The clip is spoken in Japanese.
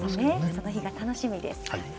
その日が楽しみです。